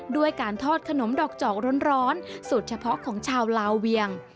ด้วยการทอดขนมดอกจอกร้อนสูตรเฉพาะของชาวลาวเวียง